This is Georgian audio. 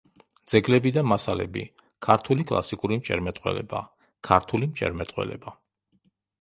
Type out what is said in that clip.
ძეგლები და მასალები“, „ქართული კლასიკური მჭერმეტყველება“, „ქართული მჭერმეტყველება.